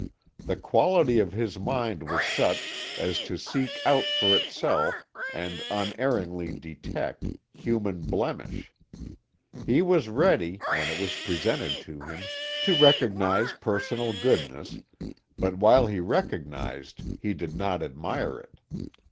The quality of his mind was such as to seek out for itself, and unerringly detect, human blemish. He was ready, when it was presented to him, to recognise personal goodness, but while he recognised he did not admire it.